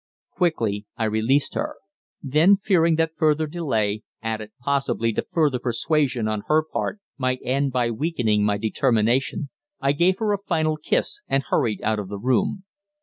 Quickly I released her. Then, fearing that further delay added, possibly, to further persuasion on her part might end by weakening my determination, I gave her a final kiss, and hurried out of the room.